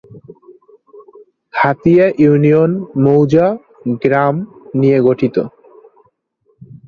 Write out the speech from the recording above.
Hatiya union মৌজা/গ্রাম নিয়ে গঠিত।